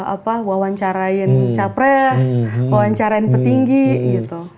apa wawancarain capres wawancarain petinggi gitu